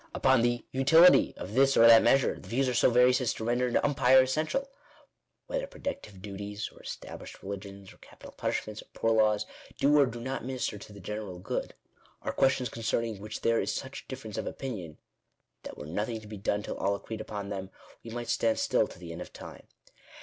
Upon the "utility" of this or that measure, the views are so various as to render an umpire essential. Whether protective duties, or established religions, or capital punishments, or poor laws, do or do not minister to the " general good," are questions concerning which there is such difference of opinion, that were nothing to be done till all agreed upon them, we might stand still to the end of time.